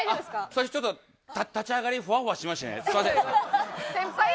最初ちょっと立ち上がりふわふわしましてねすみません。